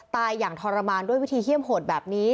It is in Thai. ตายอย่างทรมานด้วยวิธีเยี่ยมโหดแบบนี้